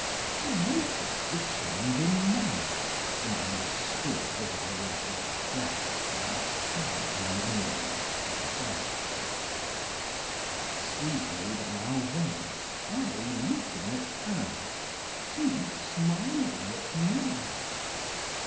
She noticed the change in manner and understood that I was oppressed by sad memories of the past. Thus we rode on our way, I looking at her; she smiling at me.